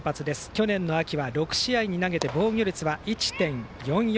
去年秋は６試合で投げて防御率は１．４４。